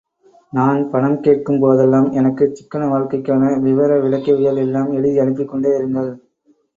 நான் பணம் கேட்கும் போதெல்லாம் எனக்குச் சிக்கன வாழ்க்கைக்கான விவர விளக்கவியல் எல்லாம் எழுதி அனுப்பிக்கொண்டே இருங்கள்.